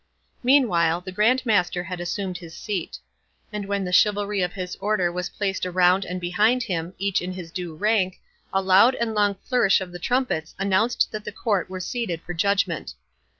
Meanwhile, the Grand Master had assumed his seat; and when the chivalry of his order was placed around and behind him, each in his due rank, a loud and long flourish of the trumpets announced that the Court were seated for judgment.